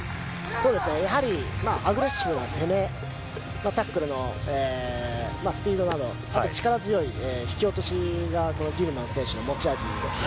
やはり、アグレッシブな攻めのタックルのスピードなど、あと力強い引き落としが、このギルマン選手の持ち味ですね。